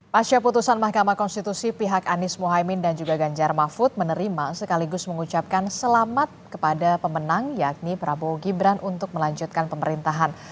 pasca putusan mahkamah konstitusi pihak anies mohaimin dan juga ganjar mahfud menerima sekaligus mengucapkan selamat kepada pemenang yakni prabowo gibran untuk melanjutkan pemerintahan